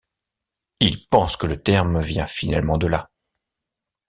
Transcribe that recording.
Il pense que le terme vient finalement de là.